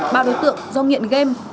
bao đối tượng do nghiện game